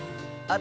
あ！